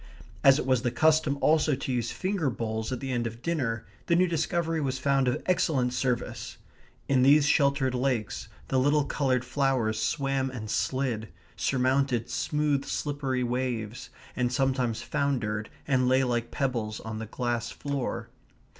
As it was the custom also to use finger bowls at the end of dinner, the new discovery was found of excellent service. In these sheltered lakes the little coloured flowers swam and slid; surmounted smooth slippery waves, and sometimes foundered and lay like pebbles on the glass floor.